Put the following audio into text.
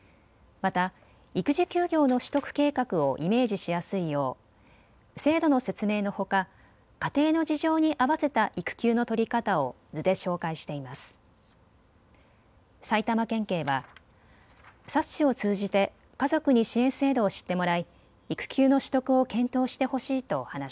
また育児休業の取得計画をイメージしやすいよう制度の説明のほか、家庭の事情に合わせた育休の取り方を図で紹介しています。